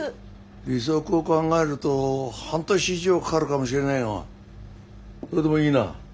利息を考えると半年以上かかるかもしれないがそれでもいいな。